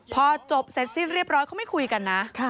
พอจบเสร็จสิ้นเรียบร้อยเขาไม่คุยกันนะ